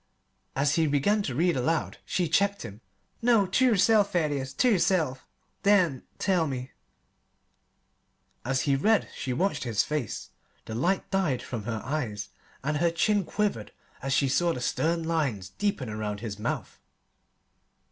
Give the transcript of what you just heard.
As he began to read aloud she checked him. "No; ter yerself, Thaddeus ter yerself! Then tell me." As he read she watched his face. The light died from her eyes and her chin quivered as she saw the stern lines deepen around his mouth.